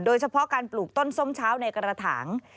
โดยเฉพาะการปลูกต้นส้มเช้าในกระถาง